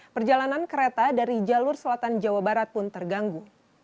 perjalanan kereta dari jalur selatan jawa barat pun terganggu